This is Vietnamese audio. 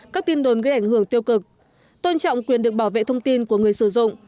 các tin đồn gây ảnh hưởng tiêu cực tôn trọng quyền được bảo vệ thông tin của người sử dụng